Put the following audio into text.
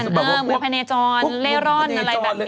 เหมือนพวกพะเนจรเล่อร่อนอะไรแบบเนี้ย